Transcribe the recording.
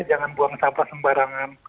jangan buang sampah sembarangan